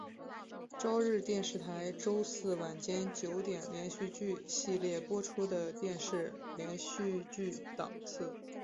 朝日电视台周四晚间九点连续剧系列播出的电视连续剧档次。